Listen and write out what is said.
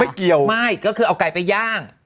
ไม่ก็คือเอาไก่ไปย่าง